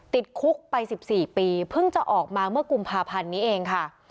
ติดคุกไป๑๔ปีเพิ่งจะออกมาเมื่อกุมภาพันธ์นี้เองค่ะ